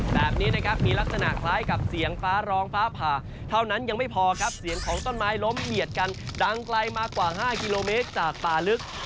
แบบนี้นะครับมีลักษณะคล้ายกับเสียงฟ้าร้องฟ้าผ่าเท่านั้นยังไม่พอครับเสียงของต้นไม้ล้มเหยียดกันดังไกลมากว่า๕กิโลเมตรจากป่าลึก